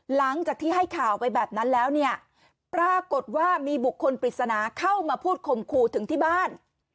หลังจากที่ให้ข่าวไปแบบนั้นแล้วเนี่ยปรากฏว่ามีบุคคลปริศนาเข้ามาพูดข่มขู่ถึงที่บ้าน